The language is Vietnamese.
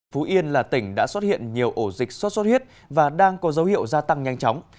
phú yên là tỉnh đã xuất hiện nhiều ổ dịch sốt xuất huyết và đang có dấu hiệu gia tăng nhanh chóng